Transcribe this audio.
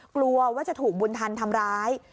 กลัวว่าจะถูกบุญทันทำร้าย